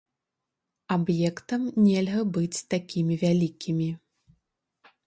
Аб'ектам нельга быць такімі вялікімі.